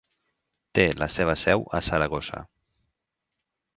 Té la seva seu a Saragossa.